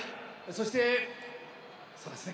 そしてそうですね